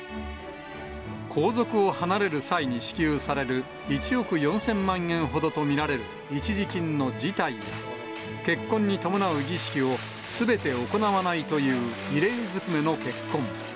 皇族を離れる際に支給される１億４０００万円ほどと見られる一時金の辞退や、結婚に伴う儀式をすべて行わないという異例ずくめの結婚。